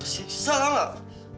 wuh tersisa lho enggak